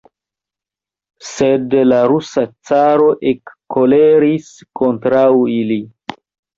Sed la rusa caro ekkoleris kontraŭ ili.